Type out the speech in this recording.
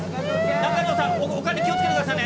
中条さん、お金気をつけてくださいね。